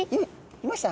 いました？